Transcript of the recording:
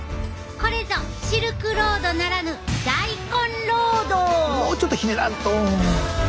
これぞシルクロードならぬもうちょっとひねらんと。